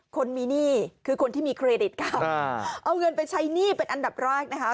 คนมีหนี้คือคนที่มีเครดิตค่ะเอาเงินไปใช้หนี้เป็นอันดับแรกนะคะ